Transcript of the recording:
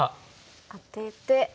アテて。